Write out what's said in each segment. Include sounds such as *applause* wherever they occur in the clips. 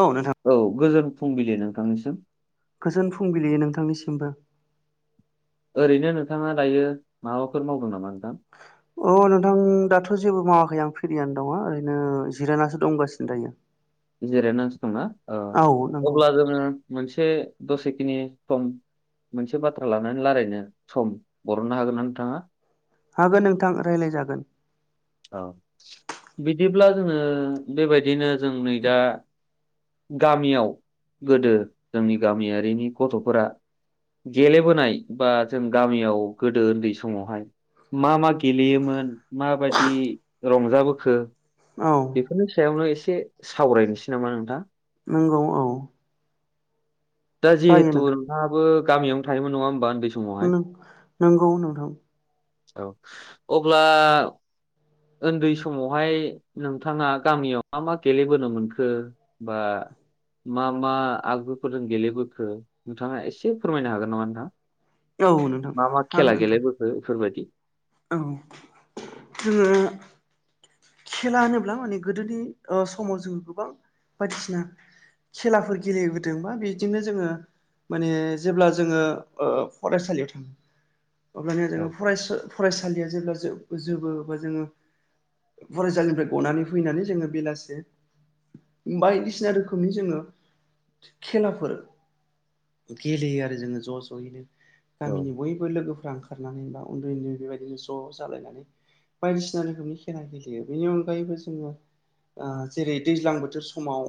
औ नोंथां औ गोजोन फुंबिलि नोंथांनिसिम गोजोन फुंबिलि नोंथांनिसिमबो ओरैनो नोंथाङा दायो माबाफोर मावदों नामा नोंथां अ नोंथां दाथ' जेबो मावाखै आं फिरियानो दङ ओरैनो जिरायनासो दंगासिनो दायो जिरायनां सो दंना औ नंगौ अब्ला जोङो मोनसे दसेखिनि सम मोनसे बाथ्रा लानानै रालायनो सम बरननो हागोन ना नोंथाङा हागोन नोंथां रायलायजागोन औ बिदिब्ला जोङो बेबायदिनो जों नै दा गामियाव गोदो जोंनि गामियारिनि गथ'फोरा गेलेबोनाय बा जों गामियाव गोदो उन्दै समावहाय मा मा गेलेयोमोन माबायदि रंजाबोखो औ बेफोरनि सायावनो एसे सावरायनोसै नामा नोंथां नंगौ औ दा जायो जिहेथु नोंथां नोंथाङाबो गामियावनो थायोमोन नङा होमबा उन्दै समावहाय? नंगौ नोंथां औ अब्ला ओनदै समावहाय नोंथाङा गामियाव मा मा गेलेबोनो मोनखो बा मा मा आगुफोर जों गेलेबोखो नोंथाङा एसे फोरमायनो हागोन नामा नोंथां औ नोंथां मा मा हागोन खेला नोंथां गेलेबोखो इफोरबायदि औ जोङो खेला होनोब्ला माने गोदोनि ओ समाव जोङो गोबां बायदिसिना खेलाफोर गेलेबोदों बा बिदिनो जोङो माने जेब्ला जोङो ओ फरायसालियाव था *unintelligible* अब्लानिया औ जोङो फराय फरायसालिया जेब्ला जोबो बा जोङो फरायसालिनिफ्राय गनानै फैनानै जोङो बेलासे बायदिसिना रोखोमनि जोङो खेलाफोर गेलेयो आरो जोङो ज' ज'यैनो औ गामिनि बय लोगोफ्रा ओंखारनानै बा उन्दै उन्दै बेबायदिनो ज' जालायनानै बायदिसिना रोखोमनि खेला गेले यो बेनि अनगायैबो जोङो ओ जेरै दैज्लां बोथोर समाव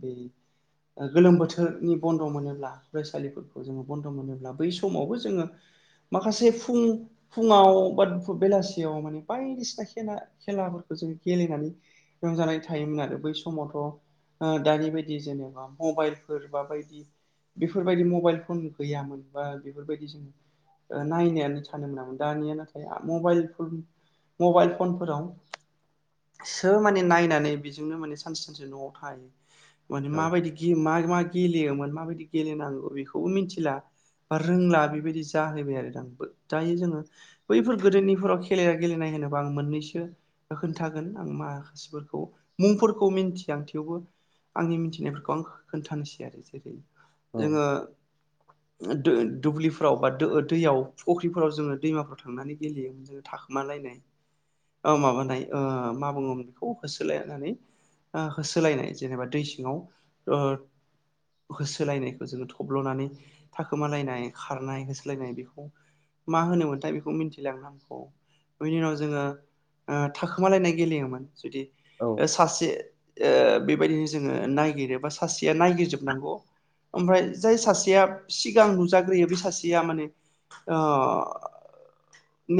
बे ओ ओ गोलोम बोथोरनि बन्द' मोनोब्ला फरायसालिफोर जोङो बन्द' मोनोब्ला बै समावबो जोङो माखासे फुं फुङाव बा बेलासियाव माने बायदिसिना खेला खेलाफोरखौ जों गेलेनानै रंजानाय थायोमोन आरो बै समावथ' ओ दानि बायदि जेनेबा मबाइलफोर बा बायदि बेफोरबायदि मबाइल फन गैयामोन बा बेफोरबायदि जोङो नायनायानो थानो मोनामोन दानिया नाथाय माइल मबाइल फनफोराव सो माने नायनानै बेजोंनो माने सानसे सानसे न'आव थायो माने औ माबायदि गेम मा मा गेलेयोमोन माबायदि गेलेनांगौ बेखौबो मिथिला बा रोंला बेबायदि जाहैबाय आरो दा दायो जोङो बैफोर गोदोनिफोराव खेला गेलेनाय होनोबा आं मोननैसो खोन्थागोन आं माखासेफोरखौ मुंफोरखौ मिन्थिया आं थेवबो आंनि मिथिनायफोरखौ आं खोन्थानोसै आरो जेरै औ जोङो ओ दो दुब्लिफोराव बा दैयाव फख्रिफोराव जोङो दैमाफोराव थांनानै गेलेयोमोन थाखोमालायनाय ओ माबानाय ओ मा बुङो बेखौ होसोलायनानै ओ होसोलायनाय जेनेबा दै सिङाव ओ होसोलायनायखो जोङो थब्ल'नानै थाखोमालायनाय खारनाय होसोलायनाय बेखौ मा होनोमोनथाय बेखौ मिथिला आं नामखौ बिनि उनाव जोङो ओ थाखोमालायनाय गेलेयोमोन जुदि औ ओ सासे ओ बेबायदिनो जोङो नायगिरो बा सासेया नायगिरजोबनांगौ ओमफ्राय जाय सासेया सिगां नुजाग्रोयो बे सासेया माने ओ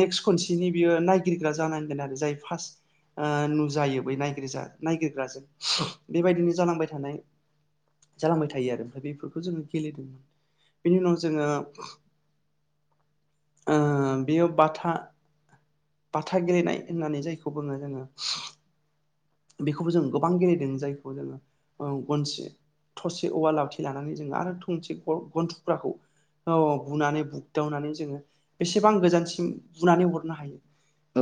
नेक्स्ट खनसेनि बियो नायगिरग्रा जानांगोन आरो जाय फार्स्ट ओ नुजायो बै नायगिरजा नायगिरग्राजों बेबायदिनो जालांबाय थानाय जालांबाय थायो आरो ओमफ्राय बेफोरखौ जोङो गेलेदोंमोन बिनि उनाव जोङो ओ बियो बाथा बाथा गेलेनाय होननानै जायखौ बुङो जोङो बेखौबो जों गोबां गेलेदों जायखौ जोङो औ गंसे थरसे औवा लाावथि लानानै जों आरो थोंसे गन थुख्राखौ औ औ बुनानै बुग्दावनानै जोङो बेसेबां गोजानसिम बुनानै हरनो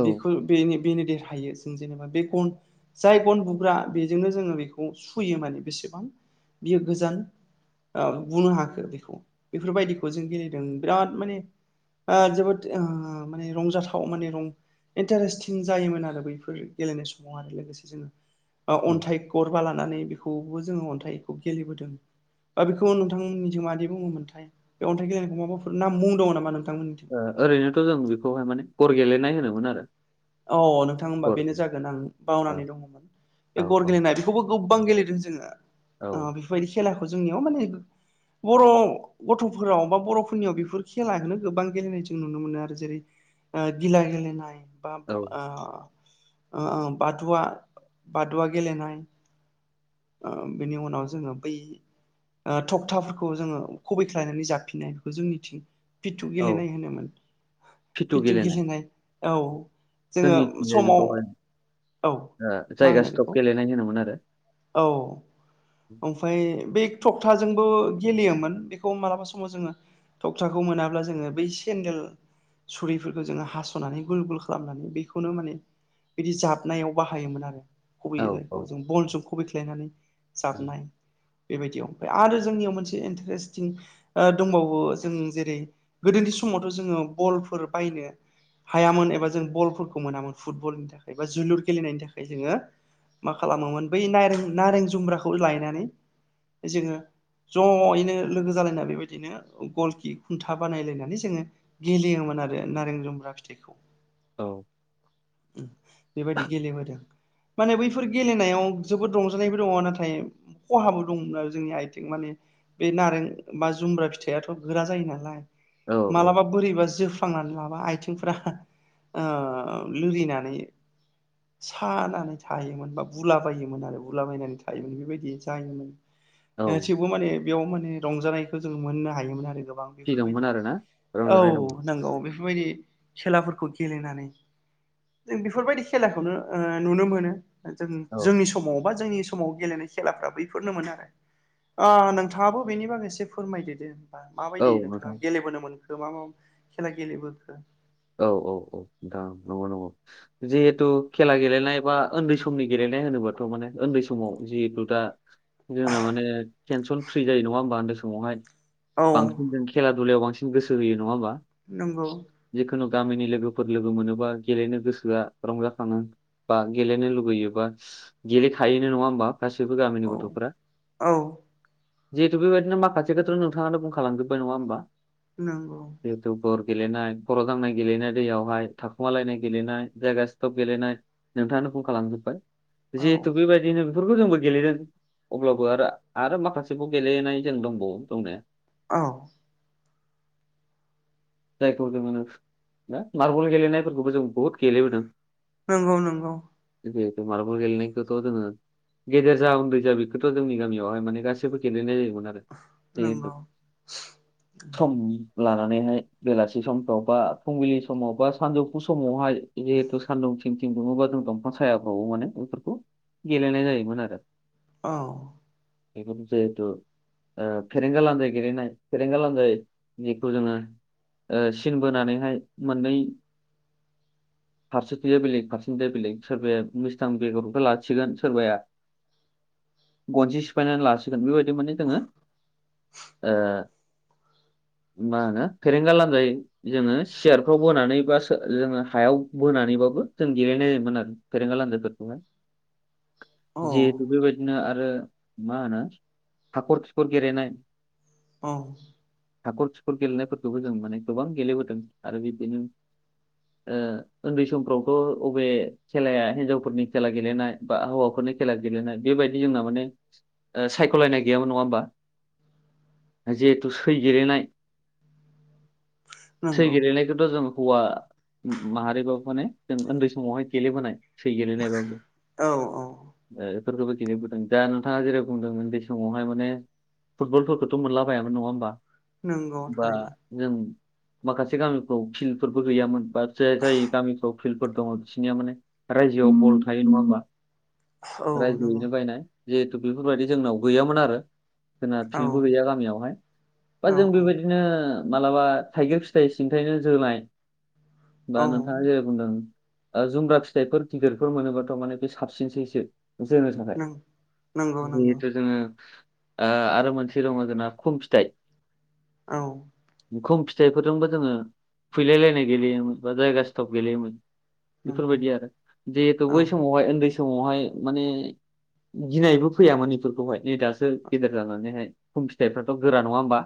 औ बेखौ बेनो बेनो देरहायो जों जेनेबा बे गन जाय गन बुग्रा बेजोंनो जोङो बेखौ सुयो माने बेसेबां बियो गोजान औ बुनो हाखो बेखौ बेफोरबायदिखौ जों गेलेदों बिराद माने ओ जोबोद ओ माने रंजाथाव माने रं इन्टारेस्टिं जायोमोन आरो बैफोर गेलेनाय समाव आरो लोगोसे जोङो ओ अन्थाइ गरबा लानानै बेखौबो जोङो अन्थाइखौ गेलेबोदों ओ बेखौ नोंथांमोननिथिं मादि बुङोमोनथाय बे अन्थाइ गेलेनायखौ माबाफोर नाम मुं दङ नामा नोंथांमोननिथि ओ ओरैनोथ जों बिखौहाय माने गर गेलेनाय होनोमोन आरो अ नोंथां होनबा गर बेनो गेले जागोन आं औ बावनानै दङमोन औ बे गर गेलेनाय बेखौबो गोबां गेलेदों जोङो औ ओ बेफोरबायदि खेलाखौ जोंनियाव माने बर' गथ'फोराव बा बर'फोरनियाव बेफोर खेलाखोनो गोबां गेलेनाय इथि नुनो मोनो आरो जेरै ओ गिला गेलेनाय बा औ ओ ओ बादुवा बादुवा गेलेनाय ओ बेनि उनाव जोङो बै ओ थखथाफोरखौ जोङो खुबैख्लायनानै जाफिननाय खौ जोंनिथिं पिथु औ गेलेनाय होनोमोन पिथु गेलेनाय औ जोङो जोंनिथिंजाय समाव बेखौहाय औ ओ मा जायगा होनो बेखौ *unintelligible* होनोमोन आरो। औ ओमफाय बै थकथाजोंबो गेलेयोमोन बेखौ मालाबा समाव जोङो थखथाखौ मोनाब्ला जोङो बै सेन्देल सुरिफोरखो जोङो हासनानै गुल गुल खालामनानै बेखौनो माने बिदि जाबनायाव बाहायोमोन आरो औ खुबैयो औ जायखौ जों बलजों खुबैख्लायनानै उम जाबनाय बेबायदियाव ओमफ्राय आरो जोंनियाव मोनसे इन्टारेस्टिं ओ दंबावो जों जेरै गोदोनि समावथ जोङो बलफोर बायनो हायामोन एबा जों बलफोरखौ मोनामोन फुटबलनि थाखाय बा जोलुर गेलेनायनि थाखाय जोङो मा खालामोमोन बै नायरें नारें जुम्ब्राखौ लायनानै जोङो जयैनो लोगो जालायना बेबायदिनो गलखि खुन्था बानायलायनानै जोङो गेलेयोमोन आरो नारें जुम्ब्रा फिथाइखौ औ बेबायदि गेलेबोदो माने बैफोर गेलेनायाव जोबोद रंजानायबो दङ नाथाय खहाबो दंमोन आरो जोंनि आयथिं माने बे नारें बा जुम्ब्रा फिथाइआथ गोरा जायो नालाय औ औ मालाबा बोरैबा जोफ लांनानै लाबा आयथिंफोरा ओ लोरिनानै सानानै थायोमोन बा बुलाबायो आरो बुलाबायनानै थायोमोन बिबायदि जायोमोन ओ औ थेवबो माने बेयाव माने रंजानायखौ जों मोननो हायोमोन आरो गोबां थि दंमोन बेफोरबायदि आरोना औ रंजानाय दंमोन नोंगौ बेफोरबायदि खेलाफोरखौ गेलेनानै जों बेफोरबायदि खेलाखौनो ओ नुनो मोनो जों औ जोंनि समाव बा जोंनि समाव गेलेनाय खेलाफ्रा बैफोरनो मोन आरो ओ नोंथाङाबो बेनि बागै एसे फोरमायदोदो औ माबायदियै नोंथाङा नोंथां गेलेबोनो मोनखो मा मा खेला गेलेबोखो? औ औ औ नोंथां नंगौ नंगौ जिहेथु खेला गेलेनाय बा ओन्दै समनि गेलेनाय होनोबाथ माने उन्दै समाव जेहेथु दा जोंना माने टेनसन फ्रि जायो नङा ओमबा उन्दै समावहाय औ बांसिन जों खेला दुलायाव बांसिन गोसो होयो नङा होमबा? नंगौ जिखुनु गामिनि लोगोफोर लोगो मोनोबा गेलेनो गोसोआ रंजाखाङो बा गेलेनो लुुबैयो बा गेलेखायोनो नङा होमबा गासिबो गामिनि औ गथ'फोरा औ जिहेथु बेबायदिनो माखासे खोथाखौ नोंथाङानो बुंखा लांजोबबाय नङा होमबा? नोंगौ *unintelligible* बर गलेनाय। खर' दांनाय गेलेनाय दैयावहाय थाखुमालायनाय गेलेनाय जायगा सिथप गेलेनाय। नोंथाङानो बुंखालांजोबबाय औ जिहेथु बेबायदिनो बिफोरखौ जोंबो गेलेदों। अब्लाबो आरो आरो माखासेखौ गेलेहोनाय जों दंबावो दंनाया। अह। जायखौ जों होनो। मार्बल गेलेनायफोरखौबो जों बुहुत गेलेबोदों नंगौ नंगौ गोदो मार्बबल गेलेनायखौथ' जोङो गेदेर जा उन्दै जा बेखौथ' जोंनि गामियावहाय माने गासैबो गेलेनाय जायोमोन आरो बे नंगौ सम लानानैहाय बेलासि समफोराव बा फुंबिलि समाव बा सानजौफु समावहाय जिहेतु सानदुं थिं थिं दुङोबा जों दंफां सायाफ्रावबो माने बेफोरखौ गेलेनाय जायोमोन आरो अ बेफोर जेहेथु फेरेंगा लान्दाय गेलेनाय फेरेंगा लान्जाय जिखौ जोङो ओ सिन बोनानैहाय मोननै फारसेथिंया बेलेग फारसेथिंया बेलेग सोरबाया मिस्थां बेगरखौ लाखिगोन सोरबाया गनसे सिफायनानै लासिगोन बेबायदि माने जोङो मा होनो फोरेंगा लान्जाइ जोङो सियारफ्राव बोनानै बा सो--जोङो हायाव बोनानैबाबो जों गेलेनाय जायोमोन आरो। फेरेंगा लान्जायफोरखौहाय औ जिहेथु बेबायदिनो आरो मा होनो हाखर खिखर गेलेनाय औ हाखर खिखर गेलेनायफोरखौबो जों माने गोबां गेलेबोदों आरो बिदिनो ओ उन्दै समफ्रावथ' बबे खेलाया हिनजावफोरनि खेला गेलेनाय बा हौवाफोरनि खेला गेलेनाय बेबायदि जोंना माने सायख'लायनाय गैयामोन नङा होमबा जिहेथु सै गेलेनाय सोरै नंगौ गेलेनायखौथ' जों हौवा माहारिबाबो माने जों उन्दै समावहाय गेलेबोनाय फै गेलेनाय एबा औ औ बेफोरखौबो गेलेबोदों दा नोंथाङा जेरै जों उन्दै समावहाय माने फुटबलफोरखौथ' मोनलाबायायामानो नङा होमबा नंगौ बा थारैनो जों माखासे गामिफ्राव फिल्डफोरबो गैयामोन बा जाय जाय गामिफ्राव फिल्डफोर दङ बिसिनिया माने रायजोआव मुल थायो नङा होमबा औ नंगौ रायजोयैनो बायनाय जिहेतु बेफोरबायदि जोंनाव गैयामोन आरो जोंहा औ फिलबो गैया गामियावहाय बा औ जों औ बेबायदिनो मालाबा थाइगिर फिथाइ सिनिथायनो जोनोलाय बा औ नोंथाङा जेै बुंदों जुमब्रा फिथाइफोर गिदिरफोर मोनोब्लााथ' माने बे साबसिनसैसो नोंसोर होनो थाखाय नंगौ नंगौ जिहेथु जोङो आरो मोनसे दङ जोंना खुम फिथाइ औ मुख फिथाइफोरजोंबो जोङो खुैलायलायनाय गेलेयोमोन बा जायगा सिथप गेलेयोमोन नंगौ बेफोरबायदि आरो जिहेतु औ बै समावहाय उन्दै समावहाय माने गिनायबो फैयामोन इफोरखौहाय नै दासो गेदेर जानानैहाय खम फिथाइफ्राथ' गोरा नङा होमबा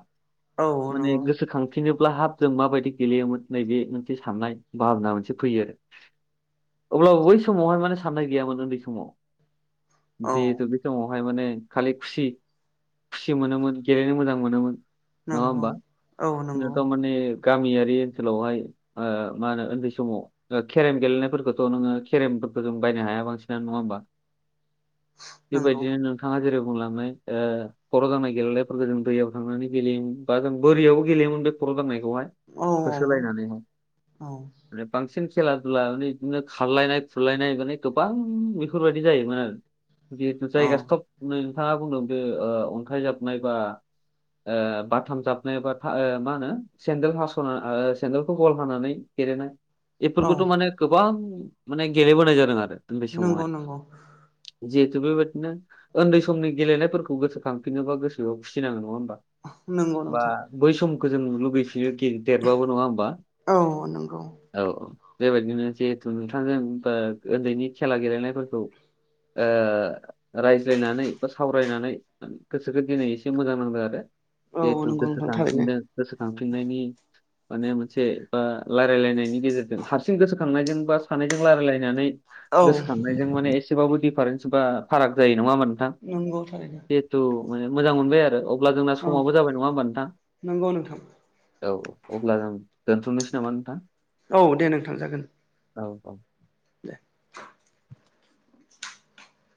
औ माने नंगौ गोसोखां फिनोब्ला हाब जों माबायदि गेलेयोमोन नैबे मोनसे साननाय भाबना मोनसे फैयो आरो अब्लाबो बै समावहाय माने साननाय गैयामोन उन्दै समाव औ जिहेथु बे समावहाय माने खालि खुसि खुसि मोनोमोन गेलेनो मोजां मोनोमोन नंगौ औ बिसोर नंगौ खौ माने गामियारि ओनसोलावहाय ओ मा होनो उन्दै समाव केरेम गेलेनायफोरखौथ' नोङो केरेमफोरखौ जों बायनो हाया बांसिनानो नङा होमबा नंगौ बेबायदि नोंथां थाङा जेरै बुंलांनाय ओ‌ खर' दांनाय गेलेनायफोरखौ जों दैयाव थांनानै गेलेयोम बा जों बोरिआव गेलेयोमोन बे खर' दांनायखौहाय औ औ होसोलायनानैहाय औ माने बांसिन खेला दुला मानि बिदिनो खारलायनाय खुरलायनाय माने गोबां बेफोरबायदि जायोमोन आरो जेहेथु जायगा सब नै नोंथांआ बुंदों बे ओ अन्थाइ जाबनाय बा बाथाम जाबनाय बा ओ मा होनो सेन्देल हास'ना सेन्देलखौ गल हानानै गेलेनाय औ बेफोरखौथ' माने गोबां माने गेलेबोनाय जादों आरो उन्दै नंगौ समावहाय नंगौ जिहेथु बेबायदिनो उन्दै समनि गेलेनायफोरखौ गोसोखांफिनोबा गोसो बेयाव खुसि नाङो नङा होमबा नोंगौ बा नोंथां बै समखौ जों लुुबैफिनो देरबाबो नङा होमबा औ नंगौ औ बेबायदिनो जिहेथु नोंथांजों उन्दैनि खेला गेलेनायफोरखौ ओह रायज्लायनानै बा सावरायनानै गोसोखो दिनै एसे मोजां नांदों आरो औ जिहेथु नंगौ गोसो नोंथां थारैनो खांफिनदों गोसोखांफिनायनि माने मोनसे ओ रायलायनायनि गेजेरजों हारसिं गोसो खांनायजों बा सानैजों रायलायनानै औ गोसोखां नायजों माने एसेबाबो दिफारेन्स बा फाराग जायो नङा होनबा नोंथां नंगौ थारैनो थु मानि मोजां मोनबाय आरो अब्ला जोंना समाबो जाबाय नङा होमबा नोंथां नोंगौ नोंथां औ अब्ला जों दोनथ'नोसै नामा नोंथां औ दे नोंथां जागोन दे औ औ देह